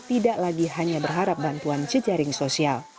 tidak lagi hanya berharap bantuan jejaring sosial